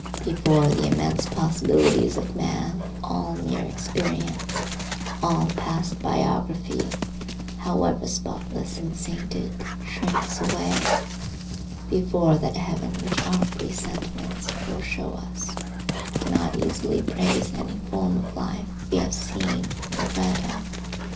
Before the immense possibilities of man all mere experience, all past biography, however spotless and sainted, shrinks away. Before that heaven which our presentiments foreshow us, we cannot easily praise any form of life we have seen or read of.